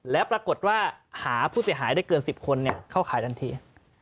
แล้วปรากฏว่าหาผู้เสียหายได้เกิน๑๐คนเข้าขายทันที